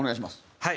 はい。